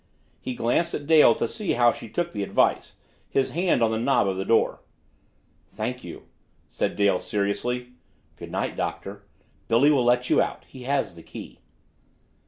He glanced at Dale to see how she took the advice, his hand on the knob of the door. "Thank you," said Dale seriously. "Good night, Doctor Billy will let you out, he has the key."